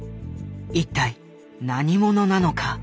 一体何者なのか？